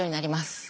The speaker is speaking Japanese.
はい。